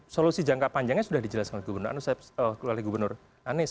solusi jangka panjangnya sudah dijelaskan oleh gubernur anies